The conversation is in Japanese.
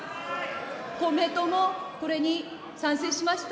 公明党もこれに賛成しました。